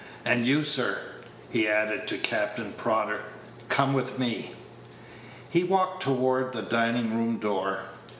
"And you, sir," he added, to Captain Prodder, "come with me." He walked toward the dining room door.